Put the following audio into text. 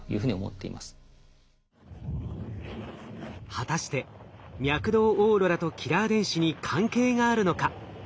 果たして脈動オーロラとキラー電子に関係があるのか。